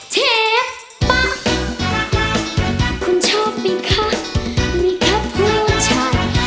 เชฟป๊าคุณชอบมีคะมีคะผู้ชาย